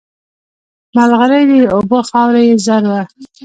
مرغلري یې اوبه خاوره یې زر وه